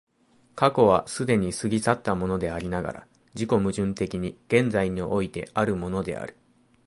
過去は既に過ぎ去ったものでありながら、自己矛盾的に現在においてあるものである。